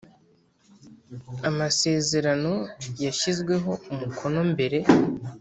Amasezerano yashyizweho umukono mbere